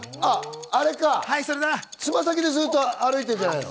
つま先でずっと歩いてるんじゃないの？